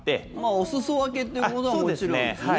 お裾分けっていうことはもちろんですよね。